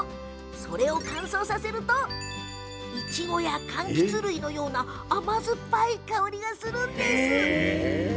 それを乾燥させるといちごや、かんきつのような甘酸っぱい香りがするんです。